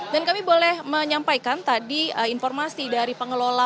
dan kami boleh menyampaikan tadi informasi dari pengelolaan